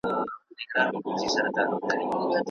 که تعلیم وي نو راتلونکی نه خرابیږي.